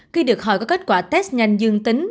khi được hỏi có kết quả test nhanh dương tính